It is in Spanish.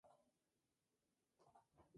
El sacrificio humano nunca se rechazaba siempre.